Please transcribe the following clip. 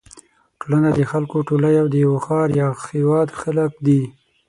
ټولنه د خلکو ټولی او د یوه ښار یا هېواد خلک دي.